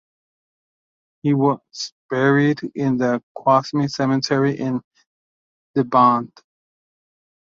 He was buried in the Qasmi cemetery in Deoband.